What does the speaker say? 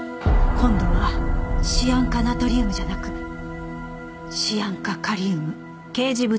今度はシアン化ナトリウムじゃなくシアン化カリウム。